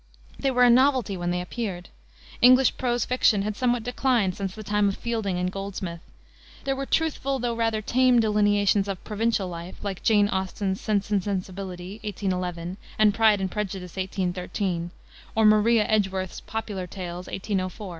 They were a novelty when they appeared. English prose fiction had somewhat declined since the time of Fielding and Goldsmith. There were truthful, though rather tame, delineations of provincial life, like Jane Austen's Sense and Sensibility, 1811, and Pride and Prejudice, 1813; or Maria Edgeworth's Popular Tales, 1804.